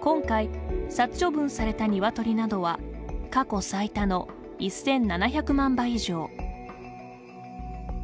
今回、殺処分されたニワトリなどは過去最多の１７００万羽以上。